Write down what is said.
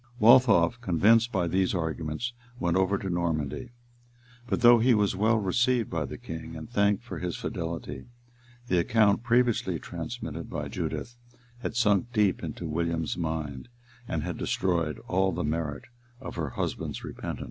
Waltheof, convinced by these arguments, went over to Normandy; but though he was well received by the king, and thanked for his fidelity, the account previously transmitted by Judith had sunk deep into William's mind, and had destroyed all the merit of her husband's repentance.